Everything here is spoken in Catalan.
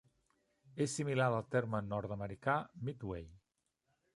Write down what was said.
És similar al terme nord-americà "midway".